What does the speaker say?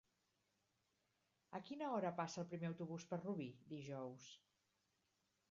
A quina hora passa el primer autobús per Rubí dijous?